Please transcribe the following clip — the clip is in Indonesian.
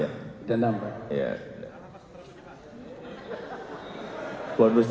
aku kena pak keren